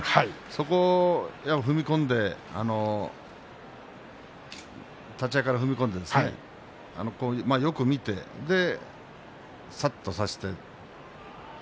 そこを立ち合いから踏み込んでよく見て、さっと差して。